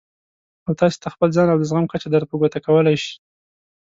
او تاسې ته خپل ځان او د زغم کچه در په ګوته کولای شي.